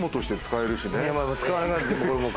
使わないって。